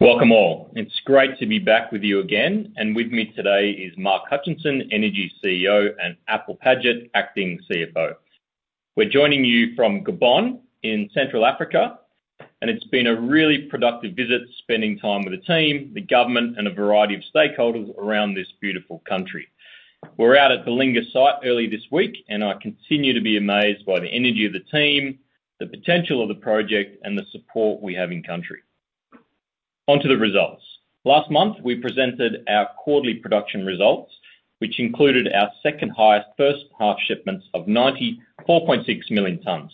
Welcome all. It's great to be back with you again. With me today is Mark Hutchinson, Energy CEO and Apple Paget Acting CFO. We're joining you from Gabon in Central Africa. It's been a really productive visit spending time with the team, the government, and a variety of stakeholders around this beautiful country. We're out at the Belinga siteearly this week, and I continue to be amazed by the energy of the team, the potential of the project, and the support we have in country. Onto the results. Last month, we presented our quarterly production results, which included our second-highest first half shipments of 94.6 million tons.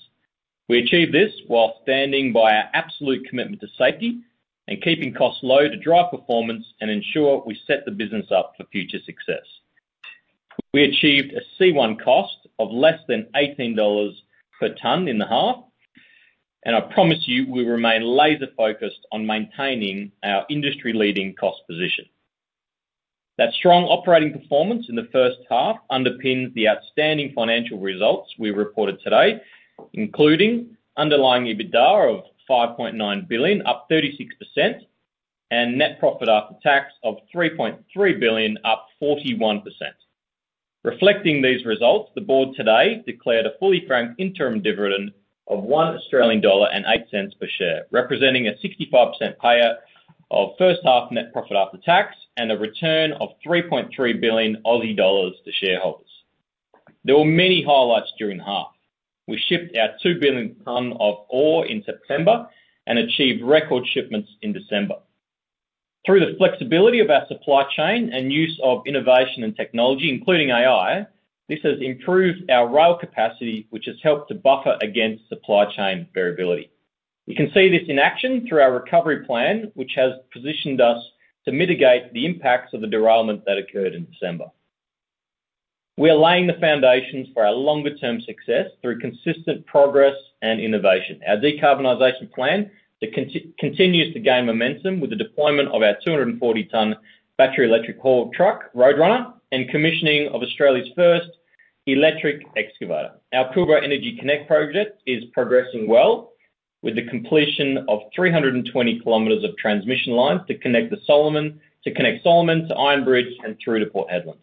We achieved this while standing by our absolute commitment to safety and keeping costs low to drive performance and ensure we set the business up for future success. We achieved a C1 cost of less than $18 per ton in the half. I promise you we remain laser-focused on maintaining our industry-leading cost position. That strong operating performance in the first half underpins the outstanding financial results we reported today, including underlying EBITDA of $5.9 billion, up 36%, and net profit after tax of $3.3 billion, up 41%. Reflecting these results, the board today declared a fully franked interim dividend of $1.08 per share, representing a 65% payout of first half net profit after tax and a return of $3.3 billion to shareholders. There were many highlights during the half. We shipped our 2 billion tons of ore in September and achieved record shipments in December. Through the flexibility of our supply chain and use of innovation and technology, including AI, this has improved our rail capacity, which has helped to buffer against supply chain variability. You can see this in action through our recovery plan, which has positioned us to mitigate the impacts of the derailment that occurred in December. We are laying the foundations for our longer-term success through consistent progress and innovation. Our decarbonization plan continues to gain momentum with the deployment of our 240-ton battery electric haul truck, Roadrunner, and commissioning of Australia's first electric excavator. Our Pilbara Energy Connect project is progressing well with the completion of 320Km of transmission lines to connect Solomon to Iron Bridge and through to Port Hedland.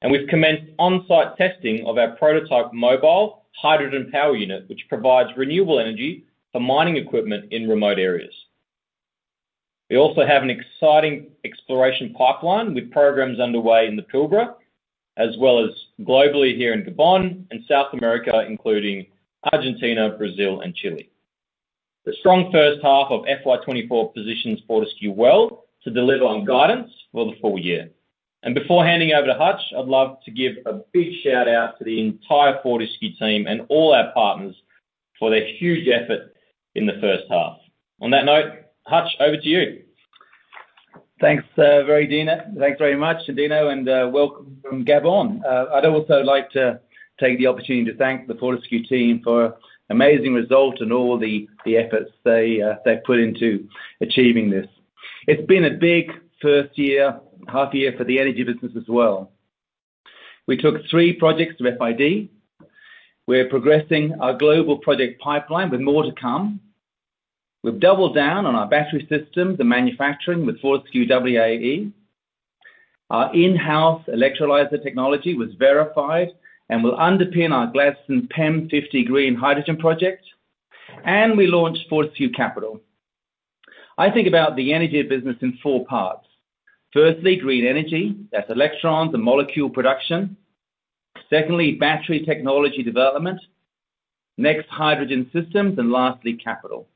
And we've commenced on-site testing of our prototype mobile hydrogen power unit, which provides renewable energy for mining equipment in remote areas. We also have an exciting exploration pipeline with programs underway in the Pilbara, as well as globally here in Gabon and South America, including Argentina, Brazil, and Chile. The strong first half of FY24 positions Fortescue well to deliver on guidance for the full year. Before handing over to Hutch, I'd love to give a big shout-out to the entire Fortescue team and all our partners for their huge effort in the first half. On that note, Hutch, over to you. Thanks, Dino. Thanks very much, Dino. And welcome from Gabon. I'd also like to take the opportunity to thank the Fortescue team for amazing results and all the efforts they've put into achieving this. It's been a big first year, half year for the energy business as well. We took three projects of FID. We're progressing our global project pipeline with more to come. We've doubled down on our battery systems and manufacturing with Fortescue WAE. Our in-house electrolyzer technology was verified and will underpin our Gladstone PEM 50 green hydrogen project. And we launched Fortescue Capital. I think about the energy business in four parts. Firstly, green energy. That's electrons and molecule production. Secondly, battery technology development. Next, hydrogen systems. And lastly, capital.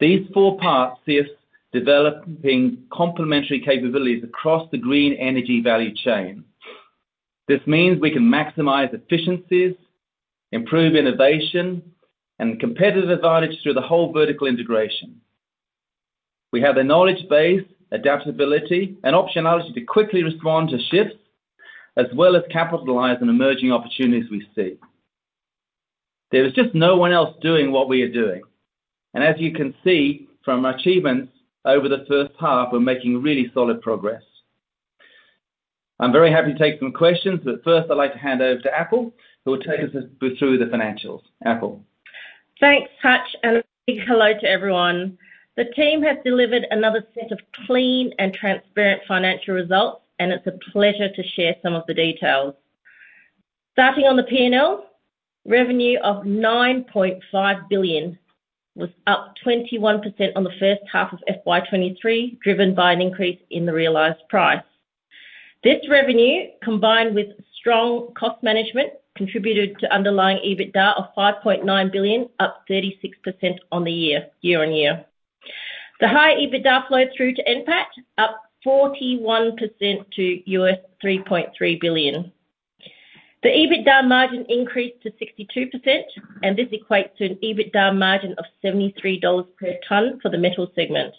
These four parts see us developing complementary capabilities across the green energy value chain. This means we can maximize efficiencies, improve innovation, and competitive advantage through the whole vertical integration. We have the knowledge base, adaptability, and optionality to quickly respond to shifts, as well as capitalize on emerging opportunities we see. There is just no one else doing what we are doing. As you can see from our achievements over the first half, we're making really solid progress. I'm very happy to take some questions. But first, I'd like to hand over to Apple, who will take us through the financials. Apple. Thanks, Hutch. A big hello to everyone. The team has delivered another set of clean and transparent financial results. It's a pleasure to share some of the details. Starting on the P&L, revenue of $9.5 billion was up 21% on the first half of FY23, driven by an increase in the realized price. This revenue, combined with strong cost management, contributed to underlying EBITDA of $5.9 billion, up 36% year-over-year. The high EBITDA flowed through to NPAT, up 41% to $3.3 billion. The EBITDA margin increased to 62%. This equates to an EBITDA margin of $73 per ton for the metal segment.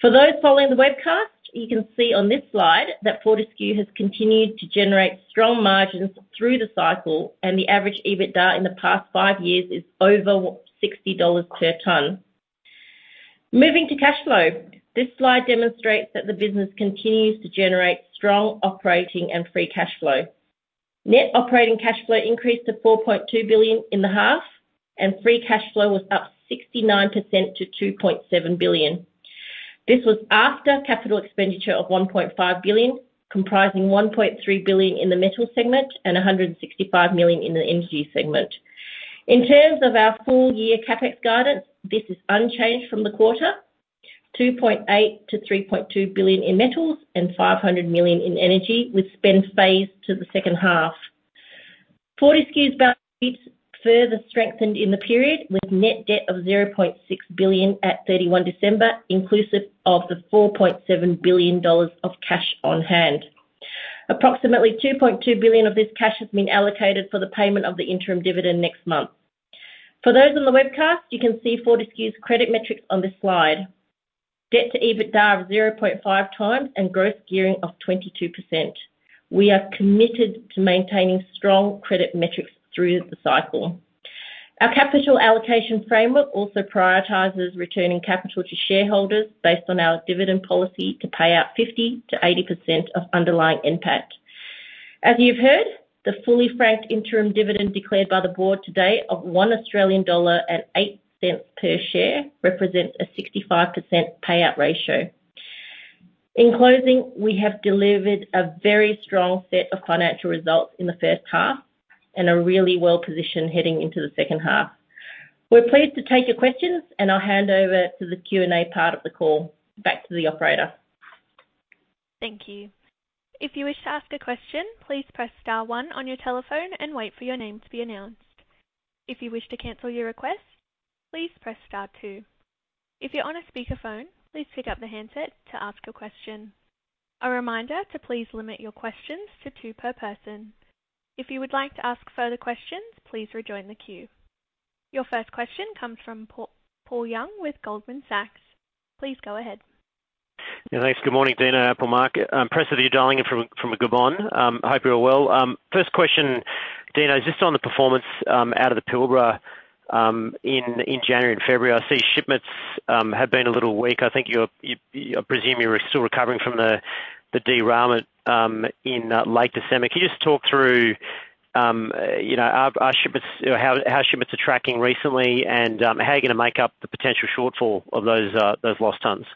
For those following the webcast, you can see on this slide that Fortescue has continued to generate strong margins through the cycle. The average EBITDA in the past five years is over $60 per ton. Moving to cash flow, this slide demonstrates that the business continues to generate strong operating and free cash flow. Net operating cash flow increased to $4.2 billion in the half. Free cash flow was up 69% to $2.7 billion. This was after capital expenditure of $1.5 billion, comprising $1.3 billion in the metal segment and $165 million in the energy segment. In terms of our full-year CapEx guidance, this is unchanged from the quarter, $2.8 billion-$3.2 billion in metals and $500 million in energy, with spend phased to the second half. Fortescue's balance sheet further strengthened in the period, with net debt of $0.6 billion at 31 December, inclusive of the $4.7 billion of cash on hand. Approximately $2.2 billion of this cash has been allocated for the payment of the interim dividend next month. For those on the webcast, you can see Fortescue's credit metrics on this slide, debt to EBITDA of 0.5x and gross gearing of 22%. We are committed to maintaining strong credit metrics through the cycle. Our capital allocation framework also prioritizes returning capital to shareholders based on our dividend policy to pay out 50%-80% of underlying NPAT. As you've heard, the fully franked interim dividend declared by the board today of $1.08 per share represents a 65% payout ratio. In closing, we have delivered a very strong set of financial results in the first half and are really well positioned heading into the second half. We're pleased to take your questions. I'll hand over to the Q&A part of the call, back to the operator. Thank you. If you wish to ask a question, please press star one on your telephone and wait for your name to be announced. If you wish to cancel your request, please press star two. If you're on a speakerphone, please pick up the handset to ask a question. A reminder to please limit your questions to two per person. If you would like to ask further questions, please rejoin the queue. Your first question comes from Paul Young with Goldman Sachs. Please go ahead. Yeah. Thanks. Good morning, Dino, Apple Paget. I'm personally dwelling from Gabon. Hope you're all well. First question, Dino, is this on the performance out of the Pilbara in January and February? I see shipments have been a little weak. I presume you're still recovering from the derailment in late December. Can you just talk through how shipments are tracking recently and how you're going to make up the potential shortfall of those lost tons?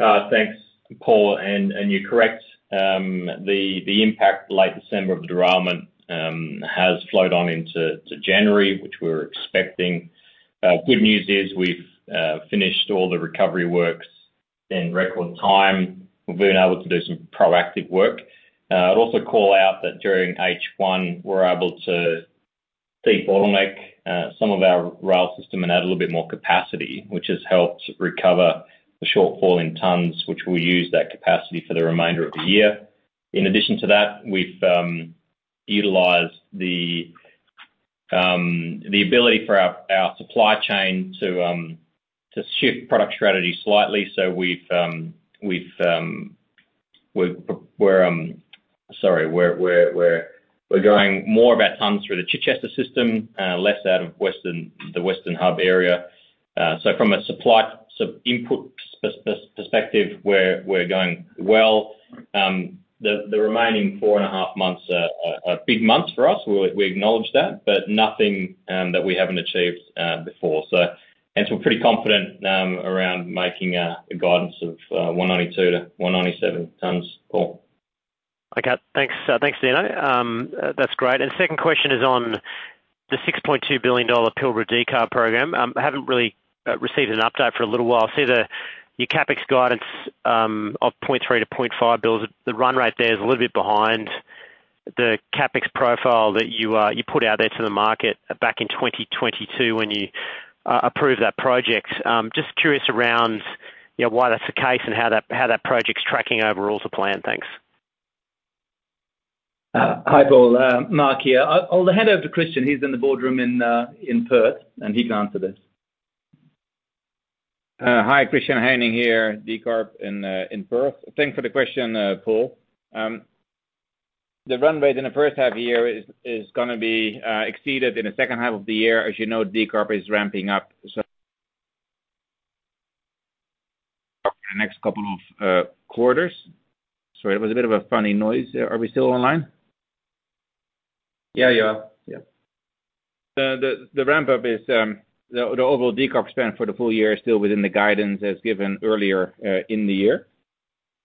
Thanks, Paul. You're correct. The impact late December of the derailment has flowed on into January, which we were expecting. Good news is we've finished all the recovery works in record time. We've been able to do some proactive work. I'd also call out that during H1, we were able to default some of our rail system and add a little bit more capacity, which has helped recover the shortfall in tons, which we'll use that capacity for the remainder of the year. In addition to that, we've utilized the ability for our supply chain to shift product strategy slightly. So we're going more about tons through the Chichester system, less out of the Western Hub area. So from a supply input perspective, we're going well. The remaining four and a half months are big months for us. We acknowledge that, but nothing that we haven't achieved before. We're pretty confident around making a guidance of 192 tons-197 tons, Paul. Okay. Thanks, Dana. That's great. Second question is on the $6.2 billion Pilbara DCAR program. I haven't really received an update for a little while. I see your CapEx guidance of $0.3 billion-$0.5 billion. The run rate there is a little bit behind the CapEx profile that you put out there to the market back in 2022 when you approved that project. Just curious around why that's the case and how that project's tracking overall to plan. Thanks. Hi, Paul. Mark here. I'll hand over to Christian. He's in the boardroom in Perth. He can answer this. Hi. Christiaan Heyning here, DCARP in Perth. Thanks for the question, Paul. The run rate in the first half of the year is going to be exceeded in the second half of the year. As you know, DCARP is ramping up for the next couple of quarters. Sorry, there was a bit of a funny noise. Are we still online? Yeah. You are. Yeah. The overall DCARP spend for the full year is still within the guidance as given earlier in the year.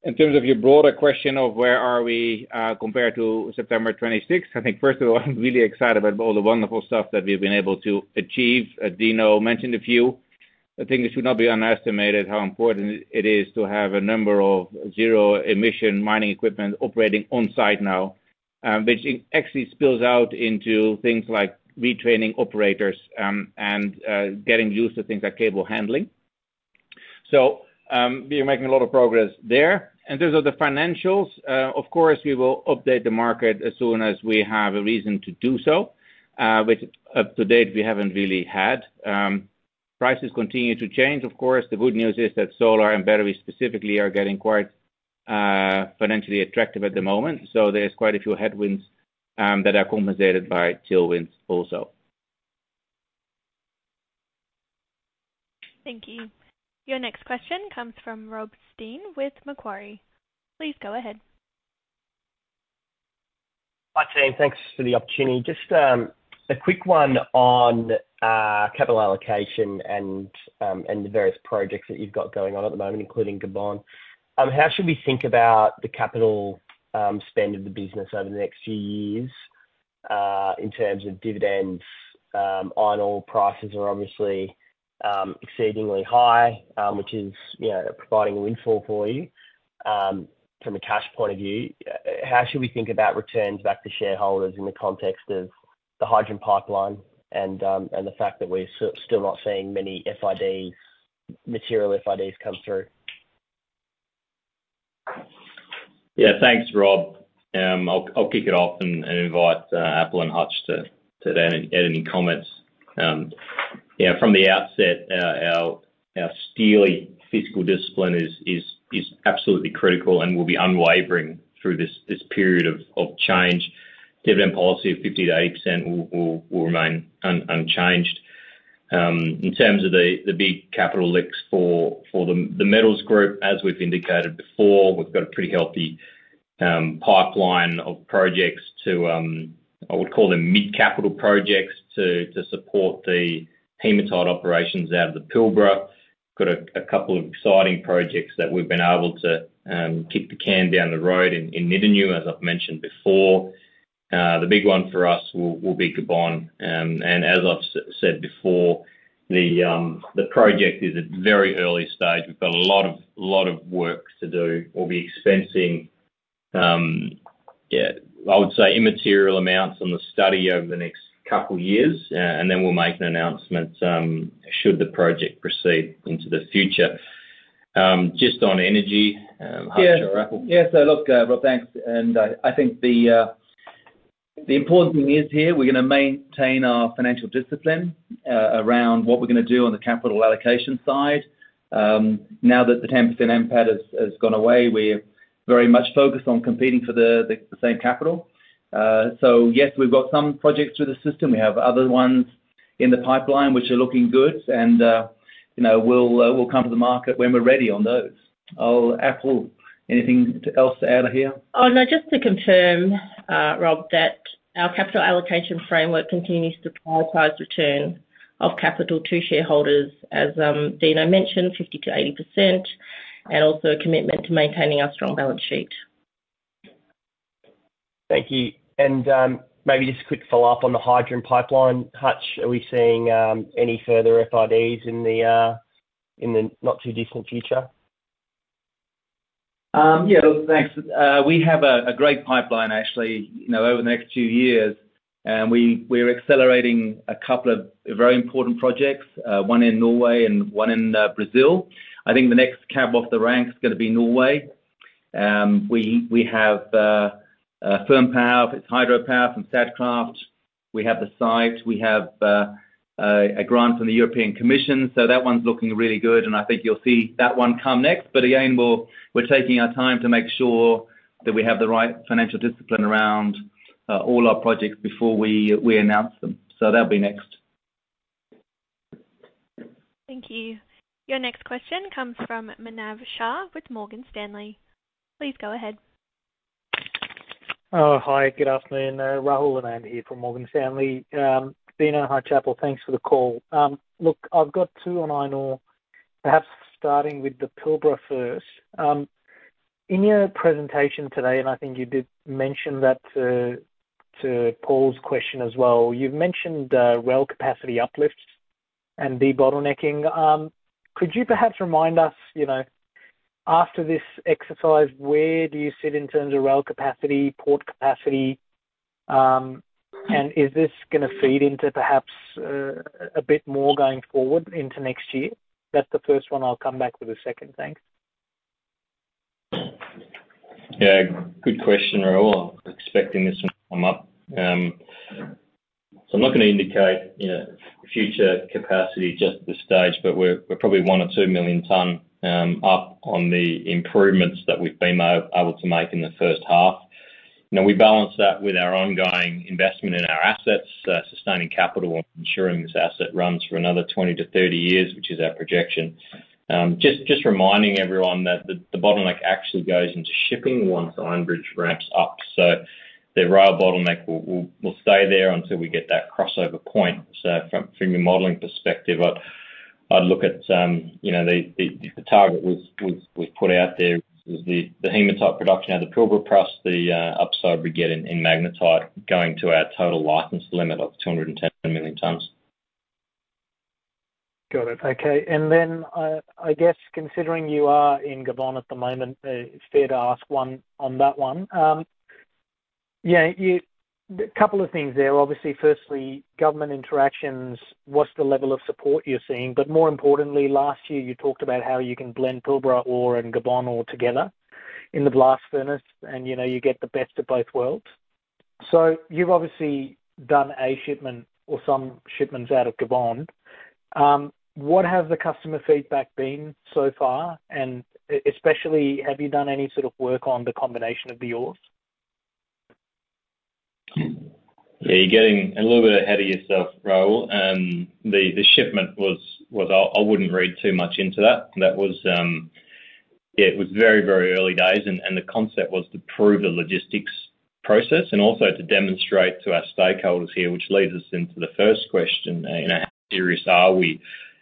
In terms of your broader question of where are we compared to September 26th, I think, first of all, I'm really excited about all the wonderful stuff that we've been able to achieve. Dino mentioned a few. I think it should not be underestimated how important it is to have a number of zero-emission mining equipment operating on-site now, which actually spills out into things like retraining operators and getting used to things like cable handling. So we are making a lot of progress there. In terms of the financials, of course, we will update the market as soon as we have a reason to do so, which up to date, we haven't really had. Prices continue to change. Of course, the good news is that solar and batteries specifically are getting quite financially attractive at the moment. So there's quite a few headwinds that are compensated by tailwinds also. Thank you. Your next question comes from Rob Stein with Macquarie. Please go ahead. Hi, team. Thanks for the opportunity. Just a quick one on capital allocation and the various projects that you've got going on at the moment, including Gabon. How should we think about the capital spend of the business over the next few years in terms of dividends? Iron ore prices are obviously exceedingly high, which is providing windfall for you from a cash point of view. How should we think about returns back to shareholders in the context of the hydrogen pipeline and the fact that we're still not seeing many material FIDs come through? Yeah. Thanks, Rob. I'll kick it off and invite Apple and Hutch to add any comments. From the outset, our steely fiscal discipline is absolutely critical and will be unwavering through this period of change. Dividend policy of 50%-80% will remain unchanged. In terms of the big capex for the metals group, as we've indicated before, we've got a pretty healthy pipeline of projects to I would call them mid-capital projects to support the hematite operations out of the Pilbara. We've got a couple of exciting projects that we've been able to kick the can down the road in Iron Bridge, as I've mentioned before. The big one for us will be Gabon. As I've said before, the project is at a very early stage. We've got a lot of work to do. We'll be expensing, yeah, I would say, immaterial amounts on the study over the next couple of years. And then we'll make an announcement should the project proceed into the future. Just on energy, Hutch or Apple? Yeah. Yeah. So look, Rob, thanks. And I think the important thing is here, we're going to maintain our financial discipline around what we're going to do on the capital allocation side. Now that the 10% NPAT has gone away, we're very much focused on competing for the same capital. So yes, we've got some projects through the system. We have other ones in the pipeline, which are looking good. And we'll come to the market when we're ready on those. Apple, anything else to add here? Oh, no. Just to confirm, Rob, that our capital allocation framework continues to prioritize return of capital to shareholders, as Dino mentioned, 50%-80%, and also a commitment to maintaining our strong balance sheet. Thank you. And maybe just a quick follow-up on the hydrogen pipeline. Hutch, are we seeing any further FIDs in the not-too-distant future? Yeah. Look, thanks. We have a great pipeline, actually, over the next few years. We're accelerating a couple of very important projects, one in Norway and one in Brazil. I think the next cab off the ranks is going to be Norway. We have firm power. It's hydropower from Statkraft. We have the site. We have a grant from the European Commission. That one's looking really good. I think you'll see that one come next. Again, we're taking our time to make sure that we have the right financial discipline around all our projects before we announce them. That'll be next. Thank you. Your next question comes from Manav Shah with Morgan Stanley. Please go ahead. Oh, hi. Good afternoon. Rahul Anand here from Morgan Stanley. Dino, hi, Apple. Thanks for the call. Look, I've got two on iron ore, perhaps starting with the Pilbara first. In your presentation today - and I think you did mention that to Paul's question as well - you've mentioned rail capacity uplifts and debottlenecking. Could you perhaps remind us, after this exercise, where do you sit in terms of rail capacity, port capacity? And is this going to feed into perhaps a bit more going forward into next year? That's the first one. I'll come back with a second. Thanks. Yeah. Good question, Rahul. I was expecting this one to come up. So I'm not going to indicate future capacity just at this stage, but we're probably 1 million tons or 2 million tons up on the improvements that we've been able to make in the first half. We balance that with our ongoing investment in our assets, sustaining capital, and ensuring this asset runs for another 20 years-30 years, which is our projection. Just reminding everyone that the bottleneck actually goes into shipping once Iron Bridge ramps up. So the rail bottleneck will stay there until we get that crossover point. So from your modeling perspective, I'd look at the target we've put out there is the hematite production. Out of the Pilbara Fines, the upside we get in magnetite going to our total license limit of 210 million tons. Got it. Okay. And then I guess considering you are in Gabon at the moment, it's fair to ask one on that one. Yeah. A couple of things there, obviously. Firstly, government interactions, what's the level of support you're seeing? But more importantly, last year, you talked about how you can blend Pilbara ore and Gabon ore together in the blast furnace. And you get the best of both worlds. So you've obviously done a shipment or some shipments out of Gabon. What has the customer feedback been so far? And especially, have you done any sort of work on the combination of the ores? Yeah. You're getting a little bit ahead of yourself, Rahul. The shipment was I wouldn't read too much into that. Yeah. It was very, very early days. And the concept was to prove the logistics process and also to demonstrate to our stakeholders here, which leads us into the first question, how serious are we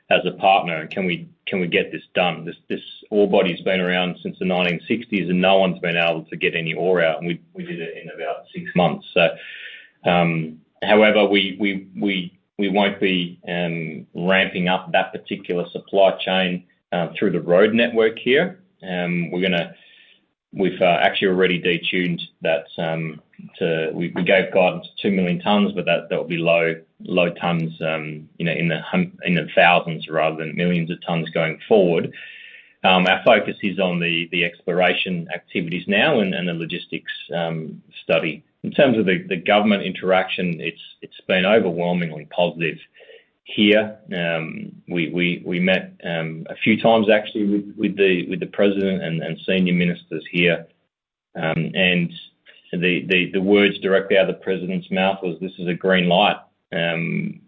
as a partner? And can we get this done? This ore body's been around since the 1960s. And no one's been able to get any ore out. And we did it in about six months. So however, we won't be ramping up that particular supply chain through the road network here. We've actually already detuned that to we gave guidance to 2 million tonnes. But that would be low tonnes in the thousands rather than millions of tonnes going forward. Our focus is on the exploration activities now and the logistics study. In terms of the government interaction, it's been overwhelmingly positive here. We met a few times, actually, with the president and senior ministers here. The words directly out of the president's mouth was, "This is a green light. And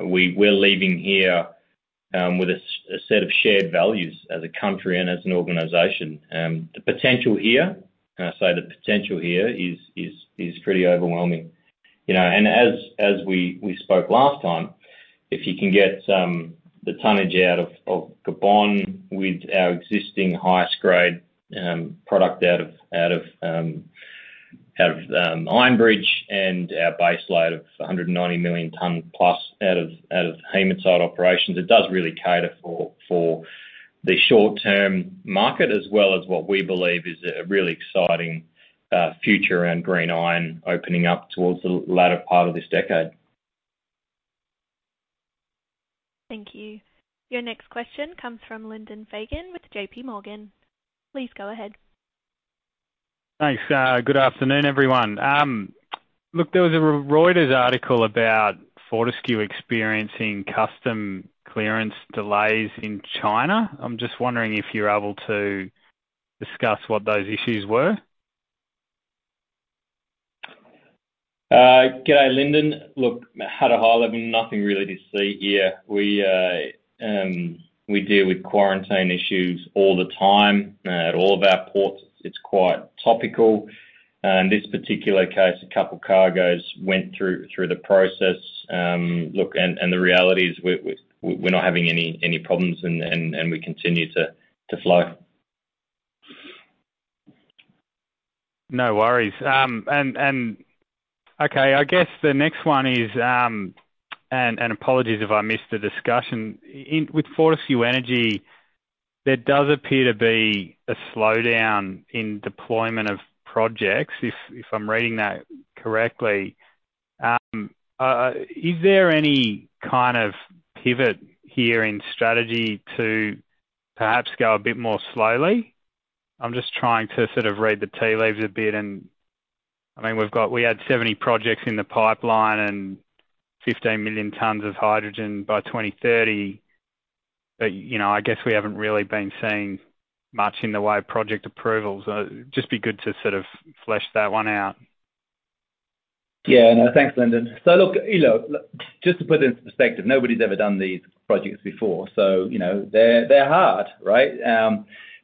we're leaving here with a set of shared values as a country and as an organization." The potential here can I say, the potential here is pretty overwhelming. As we spoke last time, if you can get the tonnage out of Gabon with our existing highest-grade product out of Iron Bridge and our base load of 190 million tons plus out of Hematite operations, it does really cater for the short-term market as well as what we believe is a really exciting future around green iron opening up towards the latter part of this decade. Thank you. Your next question comes from Lyndon Fagan with J.P. Morgan. Please go ahead. Thanks. Good afternoon, everyone. Look, there was a Reuters article about Fortescue experiencing customs clearance delays in China. I'm just wondering if you're able to discuss what those issues were. Good day, Lyndon. Look, at a high level, nothing really to see here. We deal with quarantine issues all the time at all of our ports. It's quite topical. In this particular case, a couple of cargoes went through the process. Look, and the reality is we're not having any problems. We continue to flow.. No worries. And okay, I guess the next one is, and apologies if I missed the discussion. With Fortescue Energy, there does appear to be a slowdown in deployment of projects, if I'm reading that correctly. Is there any kind of pivot here in strategy to perhaps go a bit more slowly? I'm just trying to sort of read the tea leaves a bit. And I mean, we had 70 projects in the pipeline and 15 million tons of hydrogen by 2030. But I guess we haven't really been seeing much in the way of project approvals. It'd just be good to sort of flesh that one out. Yeah. No. Thanks, Lyndon. So look, just to put it into perspective, nobody's ever done these projects before. So they're hard, right?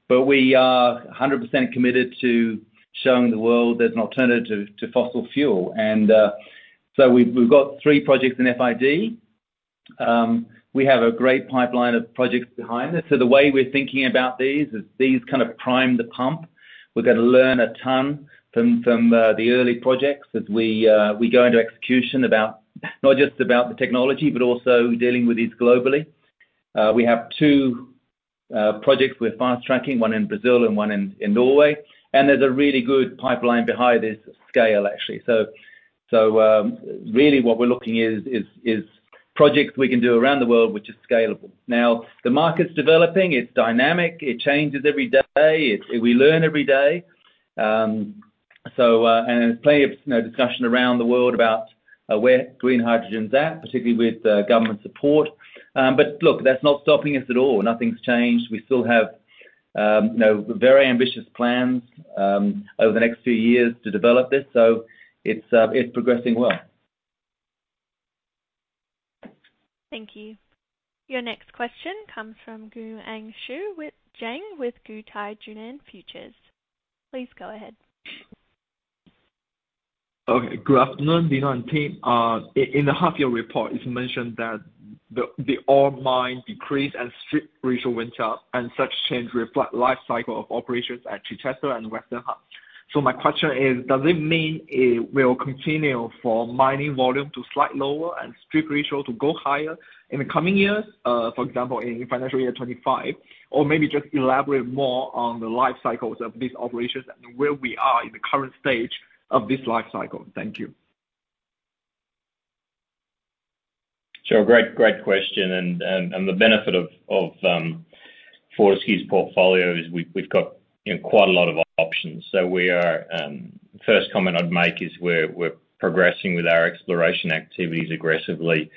But we are 100% committed to showing the world there's an alternative to fossil fuel. And so we've got three projects in FID. We have a great pipeline of projects behind us. So the way we're thinking about these is these kind of prime the pump. We're going to learn a ton from the early projects as we go into execution, not just about the technology but also dealing with these globally. We have two projects we're fast-tracking, one in Brazil and one in Norway. And there's a really good pipeline behind this scale, actually. So really, what we're looking is projects we can do around the world which are scalable. Now, the market's developing. It's dynamic. It changes every day. We learn every day. There's plenty of discussion around the world about where green hydrogen's at, particularly with government support. But look, that's not stopping us at all. Nothing's changed. We still have very ambitious plans over the next few years to develop this. It's progressing well. Thank you. Your next question comes from Guangyu Jiang with Guotai Junan Futures. Please go ahead. Okay. Good afternoon, Dina and Pete. In the half-year report, it's mentioned that the ore mined decreased and strip ratio went up. Such change reflects life cycle of operations at Chichester Hub and Western Hub. So my question is, does it mean it will continue for mining volume to slightly lower and strip ratio to go higher in the coming years, for example, in financial year 2025? Or maybe just elaborate more on the life cycles of these operations and where we are in the current stage of this life cycle. Thank you. Sure. Great question. The benefit of Fortescue's portfolio is we've got quite a lot of options. First comment I'd make is we're progressing with our exploration activities aggressively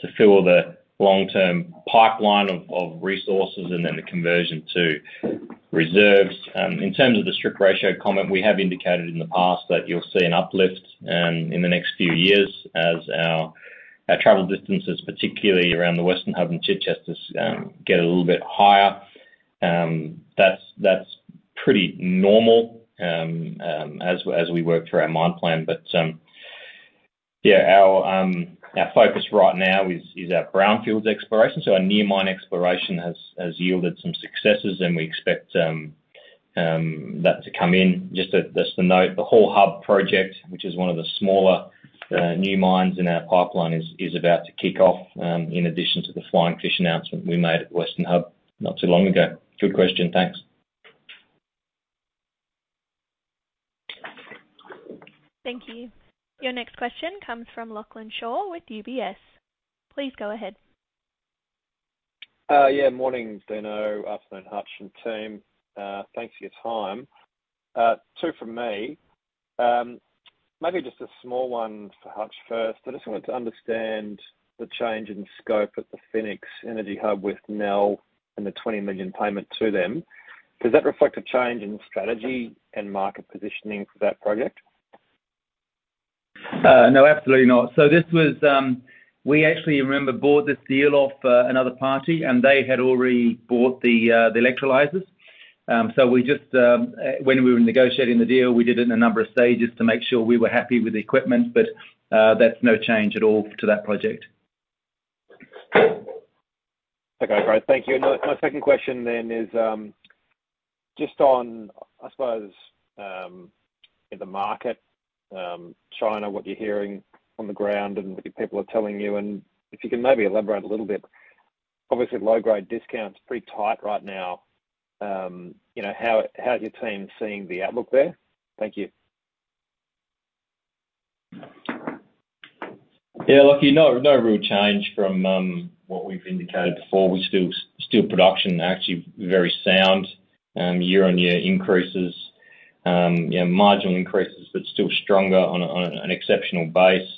to fill the long-term pipeline of resources and then the conversion to reserves. In terms of the strict ratio comment, we have indicated in the past that you'll see an uplift in the next few years as our travel distances, particularly around the Western Hub and Chichester, get a little bit higher. That's pretty normal as we work through our mine plan. But yeah, our focus right now is our brownfields exploration. Our near-mine exploration has yielded some successes. We expect that to come in. Just as a note, the Hall Hub project, which is one of the smaller new mines in our pipeline, is about to kick off in addition to the flying fish announcement we made at Western Hub not too long ago. Good question. Thanks. Thank you. Your next question comes from Lachlan Shaw with UBS. Please go ahead. Yeah. Morning, Dino. Afternoon, Hutch and team. Thanks for your time. Two from me. Maybe just a small one for Hutch first. I just wanted to understand the change in scope at the Phoenix Energy Hub with Nel and the $20 million payment to them. Does that reflect a change in strategy and market positioning for that project? No. Absolutely not. We actually, remember, bought this deal off another party. They had already bought the electrolyzers. When we were negotiating the deal, we did it in a number of stages to make sure we were happy with the equipment. That's no change at all to that project. Okay. Great. Thank you. And my second question then is just on, I suppose, the market, China, what you're hearing on the ground and what your people are telling you. And if you can maybe elaborate a little bit. Obviously, low-grade discounts are pretty tight right now. How's your team seeing the outlook there? Thank you. Yeah. Look, no real change from what we've indicated before. We're still production, actually, very sound year-on-year increases, marginal increases but still stronger on an exceptional base.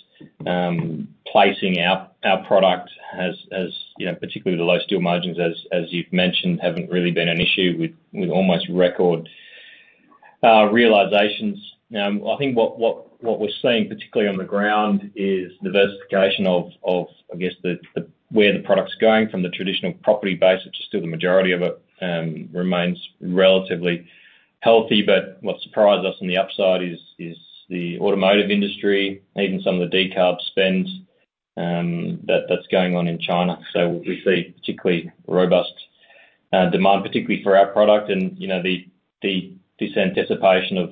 Placing our product, particularly with the low steel margins, as you've mentioned, haven't really been an issue with almost record realizations. Now, I think what we're seeing, particularly on the ground, is diversification of, I guess, where the product's going from the traditional property base, which is still the majority of it, remains relatively healthy. But what surprised us on the upside is the automotive industry, even some of the decarb spend that's going on in China. So we see particularly robust demand, particularly for our product. And this anticipation of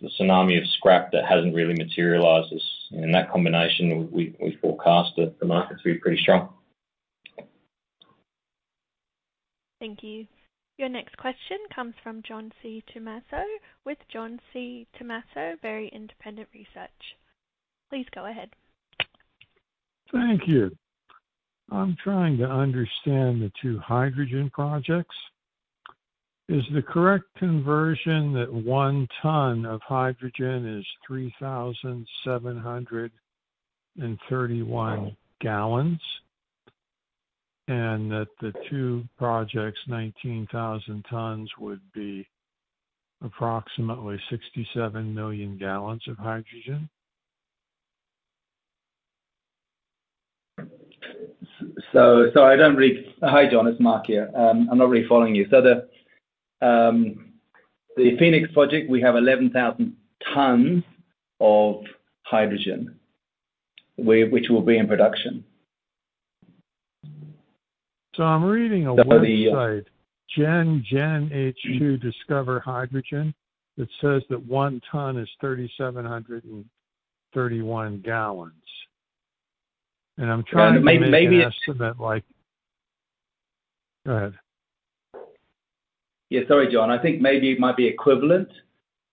the tsunami of scrap that hasn't really materialized. And that combination, we forecast the market to be pretty strong. Thank you. Your next question comes from John Tumazos with John Tumazos Very Independent Research. Please go ahead. Thank you. I'm trying to understand the two hydrogen projects. Is the correct conversion that 1 ton of hydrogen is 3,731 gallons and that the two projects, 19,000 tons, would be approximately 67 million gallons of hydrogen? So, I don't really hi, John. It's Mark here. I'm not really following you. So the Phoenix project, we have 11,000 tons of hydrogen, which will be in production. So, I'm reading a website - GenH2 Discover Hydrogen - that says that 1 ton is 3,731 gallons. And I'm trying to get an estimate like go ahead. Yeah. Sorry, John. I think maybe it might be equivalent,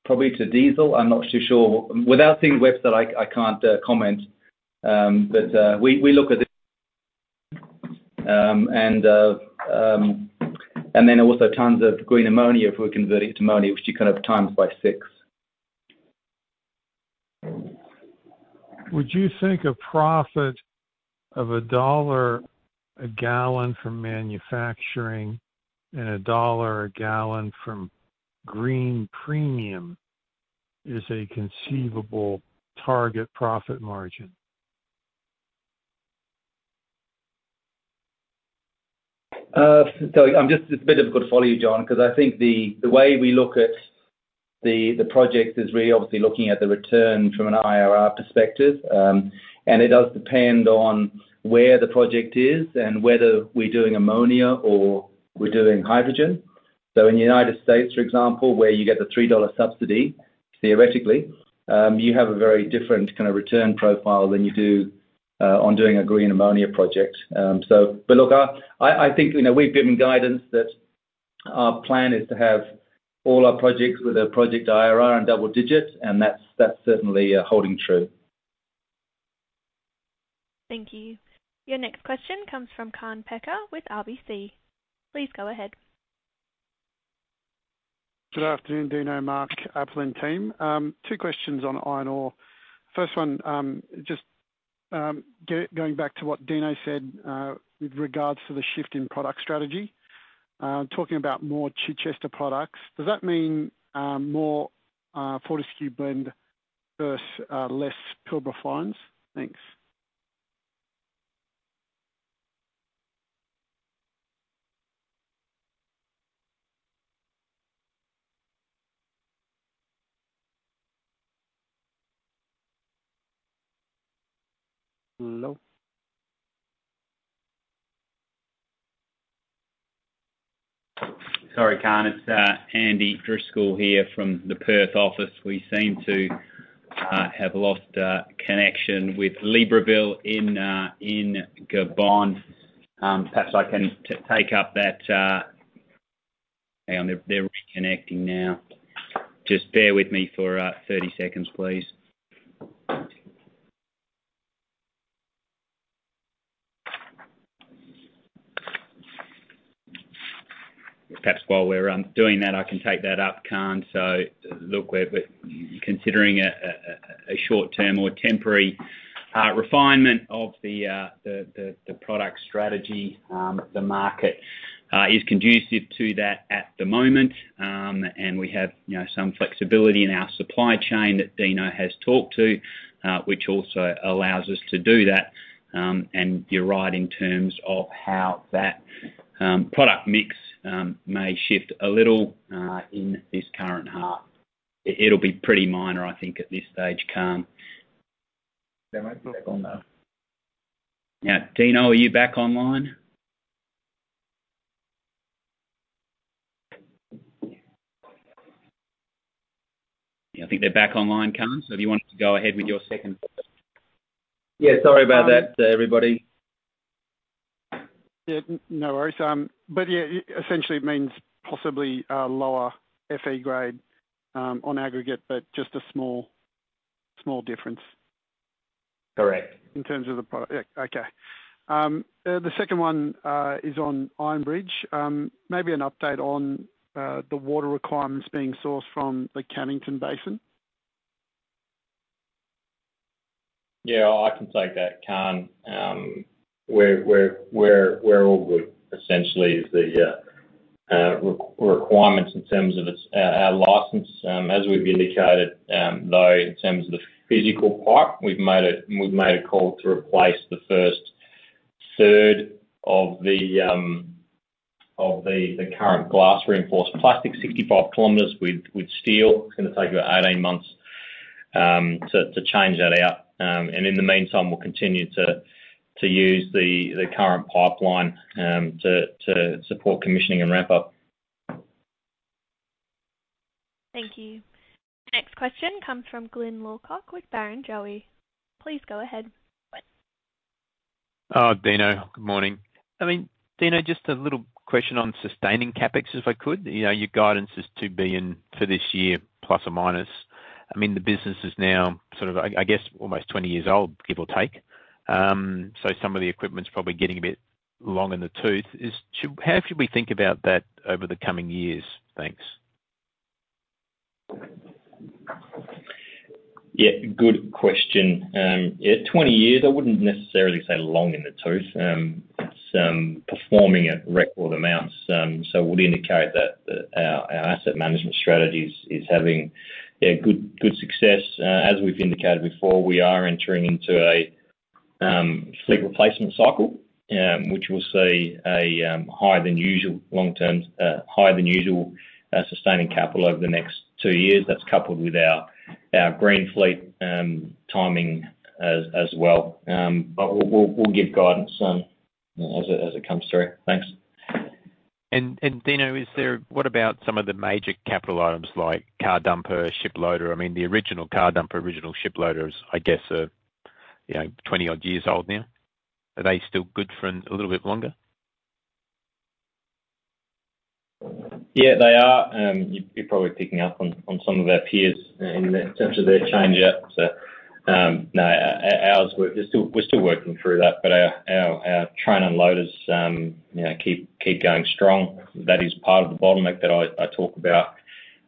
probably, to diesel. I'm not too sure. Without seeing the website, I can't comment. But we look at it. And then also tons of green ammonia if we convert it to ammonia, which you kind of times by six. Would you think a profit of $1 a gallon from manufacturing and $1 a gallon from green premium is a conceivable target profit margin? Sorry. It's a bit difficult to follow you, John. Because I think the way we look at the project is really, obviously, looking at the return from an IRR perspective. And it does depend on where the project is and whether we're doing ammonia or we're doing hydrogen. So in the United States, for example, where you get the $3 subsidy, theoretically, you have a very different kind of return profile than you do on doing a green ammonia project. But look, I think we've given guidance that our plan is to have all our projects with a project IRR and double digit. And that's certainly holding true. Thank you. Your next question comes from Kaan Peker with RBC. Please go ahead. Good afternoon, Dino, Mark, Apple, and team. Two questions on iron ore. First one, just going back to what Dino said with regards to the shift in product strategy, talking about more Chichester products, does that mean more Fortescue Blend versus less Pilbara Fines? Thanks. Hello? Sorry, Khan. It's Andy Driscoll here from the Perth office. We seem to have lost connection with Libreville in Gabon. Perhaps I can take up that. Hang on. They're reconnecting now. Just bear with me for 30 seconds, please. Perhaps while we're doing that, I can take that up, Khan. So look, considering a short-term or temporary refinement of the product strategy, the market is conducive to that at the moment. And we have some flexibility in our supply chain that Dino has talked to, which also allows us to do that. And you're right in terms of how that product mix may shift a little in this current. It'll be pretty minor, I think, at this stage, Khan. They might be back on now. Yeah. Dino, are you back online? Yeah. I think they're back online, Khan. So if you wanted to go ahead with your second question. Yeah. Sorry about that, everybody. Yeah. No worries. But yeah, essentially, it means possibly lower FE grade on aggregate but just a small difference. Correct. In terms of the product. Yeah. Okay. The second one is on Iron Bridge. Maybe an update on the water requirements being sourced from the Canning Basin. Yeah. I can take that, Kaan. We're all good, essentially, as the requirements in terms of our license. As we've indicated, though, in terms of the physical pipe, we've made a call to replace the first third of the current glass-reinforced plastic, 65 km, with steel. It's going to take about 18 months to change that out. And in the meantime, we'll continue to use the current pipeline to support commissioning and ramp-up. Thank you. Next question comes from Glyn Lawcock with Barrenjoey. Please go ahead. Oh, Dino. Good morning. I mean, Dino, just a little question on sustaining CAPEX, if I could. Your guidance is to be in for this year, plus or minus. I mean, the business is now sort of, I guess, almost 20 years old, give or take. So some of the equipment's probably getting a bit long in the tooth. How should we think about that over the coming years? Thanks. Yeah. Good question. Yeah. 20 years, I wouldn't necessarily say long in the tooth. It's performing at record amounts. So it would indicate that our asset management strategy is having good success. As we've indicated before, we are entering into a fleet replacement cycle, which will see a higher-than-usual long-term higher-than-usual sustaining capital over the next two years. That's coupled with our green fleet timing as well. But we'll give guidance as it comes through. Thanks. Dino, what about some of the major capital items like car dumper, ship loader? I mean, the original car dumper, original ship loader is, I guess, 20-odd years old now. Are they still good for a little bit longer? Yeah. They are. You're probably picking up on some of our peers in terms of their change-out. So no, ours, we're still working through that. But our train and loaders keep going strong. That is part of the bottleneck that I talk about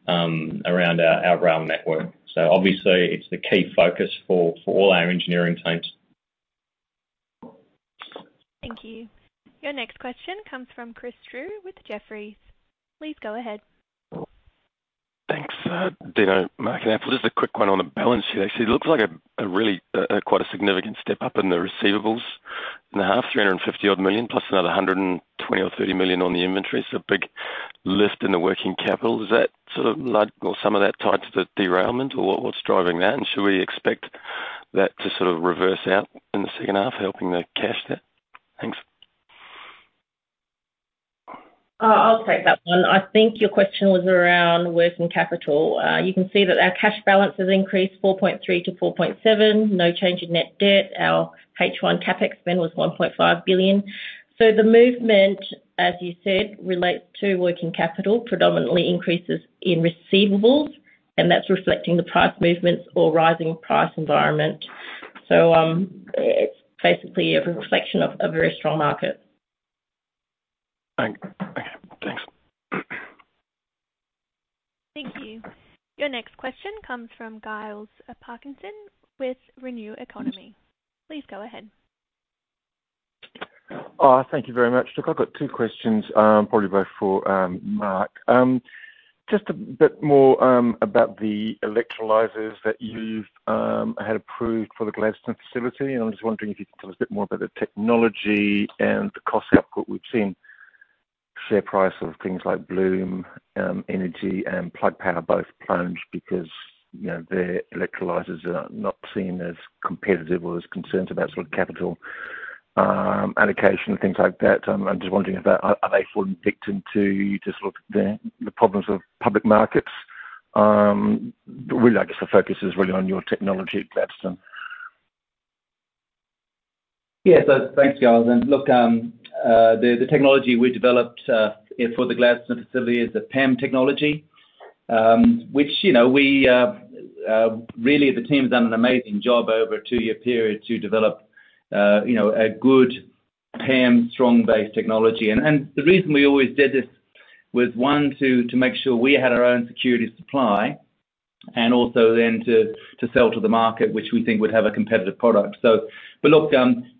around our rail network. So obviously, it's the key focus for all our engineering teams. Thank you. Your next question comes from Chris Drew with Jefferies. Please go ahead. Thanks, Dino, Mark and Apple. Just a quick one on the balance sheet. Actually, it looks like quite a significant step up in the receivables in the half, $350-odd million plus another $120 or $30 million on the inventory. So a big lift in the working capital. Is that sort of or some of that tied to the derailment? Or what's driving that? And should we expect that to sort of reverse out in the second half, helping to cash that? Thanks. I'll take that one. I think your question was around working capital. You can see that our cash balance has increased $4.3 billion-$4.7 billion. No change in net debt. Our H1 CapEx spend was $1.5 billion. So the movement, as you said, relates to working capital, predominantly increases in receivables. And that's reflecting the price movements or rising price environment. So it's basically a reflection of a very strong market. Okay. Thanks. Thank you. Your next question comes from Giles Parkinson with Renew Economy. Please go ahead. Thank you very much. Look, I've got two questions, probably both for Mark. Just a bit more about the electrolyzers that you've had approved for the Gladstone facility. I'm just wondering if you can tell us a bit more about the technology and the cost output we've seen. Share price of things like Bloom Energy and Plug Power both plunged because their electrolyzers are not seen as competitive or there's concerns about sort of capital allocation and things like that. I'm just wondering if that are they falling victim to sort of the problems of public markets? Really, I guess the focus is really on your technology, Gladstone. Yeah. So thanks, Giles. And look, the technology we developed for the Gladstone facility is a PEM technology, which we really, the team's done an amazing job over a two-year period to develop a good PEM-strong-based technology. And the reason we always did this was, one, to make sure we had our own security supply and also then to sell to the market, which we think would have a competitive product. But look,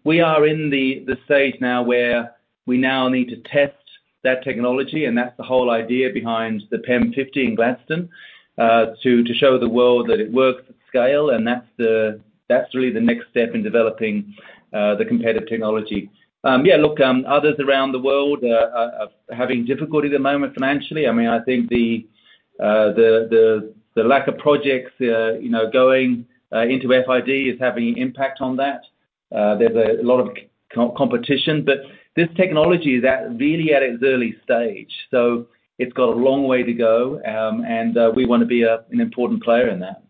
we are in the stage now where we now need to test that technology. And that's the whole idea behind the PEM50 in Gladstone to show the world that it works at scale. And that's really the next step in developing the competitive technology. Yeah. Look, others around the world are having difficulty at the moment financially. I mean, I think the lack of projects going into FID is having an impact on that. There's a lot of competition. But this technology is really at its early stage. So it's got a long way to go. And we want to be an important player in that.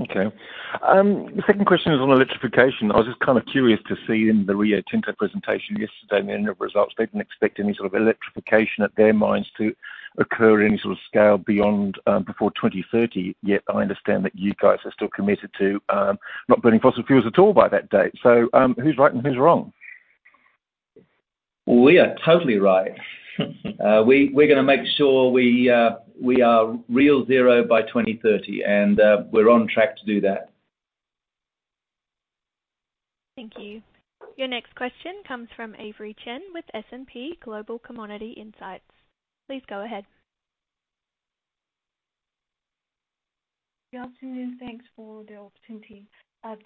Okay. The second question is on electrification. I was just kind of curious to see in the Rio Tinto presentation yesterday and the end-of-results, they didn't expect any sort of electrification at their mines to occur at any sort of scale before 2030 yet. I understand that you guys are still committed to not burning fossil fuels at all by that date. So who's right and who's wrong? We are totally right. We're going to make sure we are real zero by 2030. We're on track to do that. Thank you. Your next question comes from Avery Chen with S&P Global Commodity Insights. Please go ahead. Good afternoon. Thanks for the opportunity.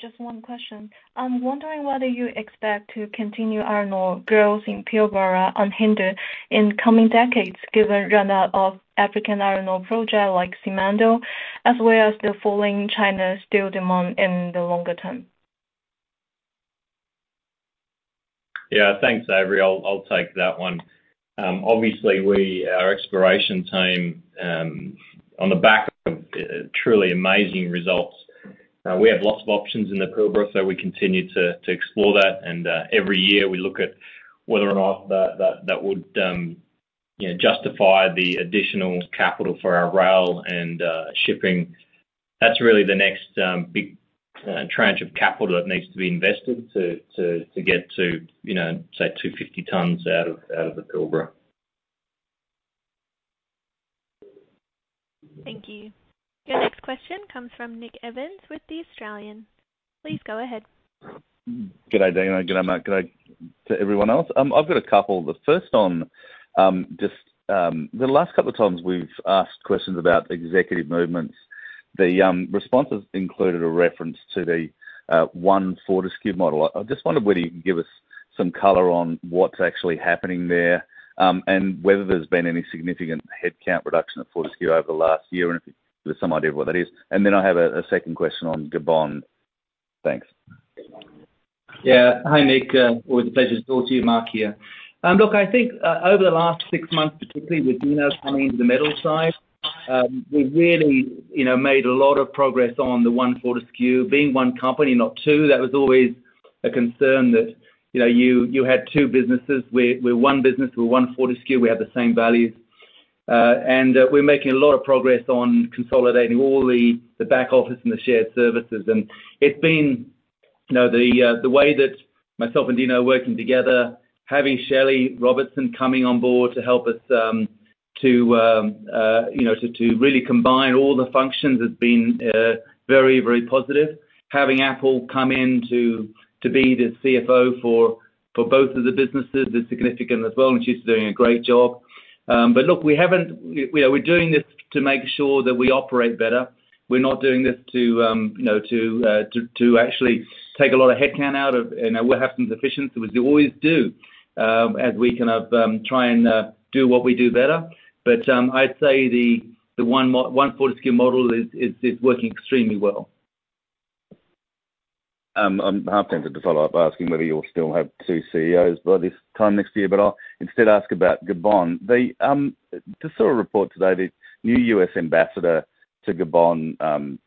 Just one question. I'm wondering whether you expect to continue iron ore growth in Pilbara unhindered in coming decades given the run-out of African iron ore projects like Simandou as well as the falling China steel demand in the longer term? Yeah. Thanks, Avery. I'll take that one. Obviously, our exploration team, on the back of truly amazing results, we have lots of options in the Pilbara. So we continue to explore that. And every year, we look at whether or not that would justify the additional capital for our rail and shipping. That's really the next big tranche of capital that needs to be invested to get to, say, 250 tonnes out of the Pilbara. Thank you. Your next question comes from Nick Evans with The Australian. Please go ahead. Good day, Dino. Good day, Mark. Good day to everyone else. I've got a couple. The first one, just the last couple of times we've asked questions about executive movements, the responses included a reference to the one Fortescue model. I just wondered whether you can give us some color on what's actually happening there and whether there's been any significant headcount reduction at Fortescue over the last year and if you give us some idea of what that is. And then I have a second question on Gabon. Thanks. Yeah. Hi, Nick. Always a pleasure to talk to you, Mark, here. Look, I think over the last six months, particularly with Dino coming into the metal side, we've really made a lot of progress on the one Fortescue. Being one company, not two, that was always a concern that you had two businesses. We're one business. We're one Fortescue. We have the same values. And we're making a lot of progress on consolidating all the back office and the shared services. And it's been the way that myself and Dino are working together, having Shelley Robertson coming on board to help us to really combine all the functions has been very, very positive. Having Apple come in to be the CFO for both of the businesses is significant as well. And she's doing a great job. But look, we haven't, we're doing this to make sure that we operate better. We're not doing this to actually take a lot of headcount out of and we'll have some deficiencies, which we always do as we kind of try and do what we do better. But I'd say the one Fortescue model is working extremely well. I'm happy to follow up by asking whether you'll still have two CEOs by this time next year. But I'll instead ask about Gabon. Just sort of report today, the new U.S. ambassador to Gabon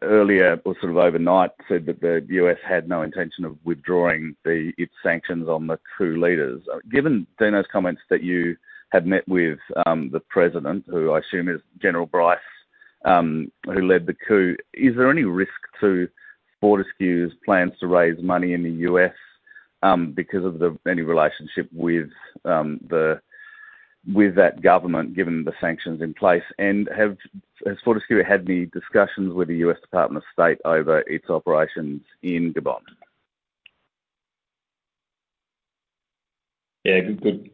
earlier or sort of overnight said that the U.S. had no intention of withdrawing its sanctions on the coup leaders. Given Dino's comments that you had met with the president, who I assume is General Brice, who led the coup, is there any risk to Fortescue's plans to raise money in the U.S. because of any relationship with that government given the sanctions in place? And has Fortescue had any discussions with the U.S. Department of State over its operations in Gabon? Yeah.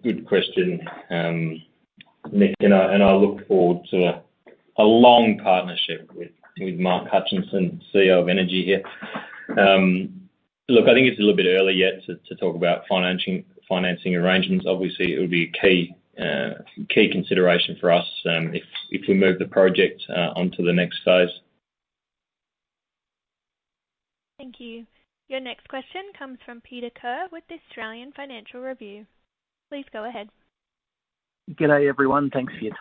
Good question, Nick. And I look forward to a long partnership with Mark Hutchinson, CEO of Energy here. Look, I think it's a little bit early yet to talk about financing arrangements. Obviously, it would be a key consideration for us if we move the project onto the next phase. Thank you. Your next question comes from Peter Ker with The Australian Financial Review. Please go ahead. Good day, everyone. Thanks for your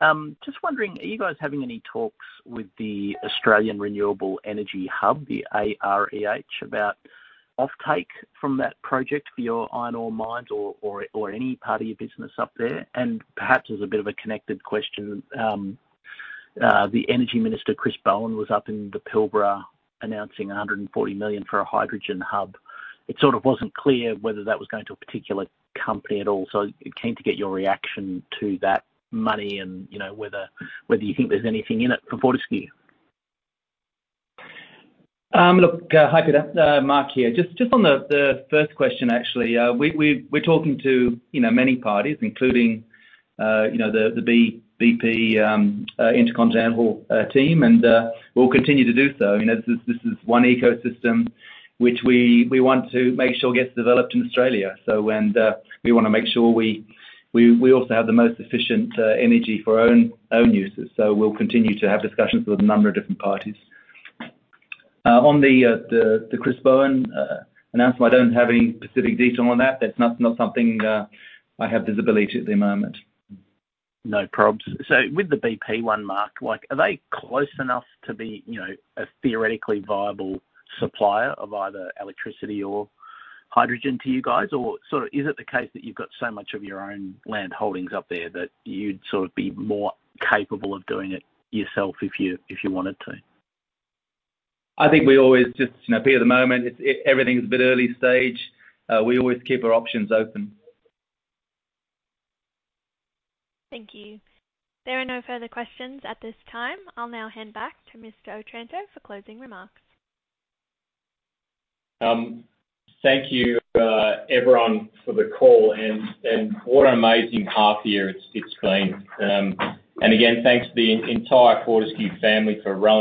time. Just wondering, are you guys having any talks with the Australian Renewable Energy Hub, the AREH, about offtake from that project for your iron ore mines or any part of your business up there? And perhaps as a bit of a connected question, the energy minister, Chris Bowen, was up in the Pilbara announcing 140 million for a hydrogen hub. It sort of wasn't clear whether that was going to a particular company at all. So I came to get your reaction to that money and whether you think there's anything in it for Fortescue. Look, hi, Peter. Mark here. Just on the first question, actually, we're talking to many parties, including the BP, InterContinental team. We'll continue to do so. This is one ecosystem, which we want to make sure gets developed in Australia. We want to make sure we also have the most efficient energy for our own uses. We'll continue to have discussions with a number of different parties. On the Chris Bowen announcement, I don't have any specific detail on that. That's not something I have visibility to at the moment. No problems. With the BP one, Mark, are they close enough to be a theoretically viable supplier of either electricity or hydrogen to you guys? Or sort of is it the case that you've got so much of your own land holdings up there that you'd sort of be more capable of doing it yourself if you wanted to? I think we're always just at the moment. Everything's a bit early stage. We always keep our options open. Thank you. There are no further questions at this time. I'll now hand back to Mr. Otranto for closing remarks. Thank you, everyone, for the call. What an amazing half-year. It's been great. Again, thanks to the entire Fortescue family for.